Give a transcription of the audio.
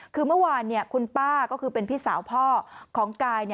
คือเมื่อวานคุณป้าก็คือเป็นพี่สาวพ่อของกาย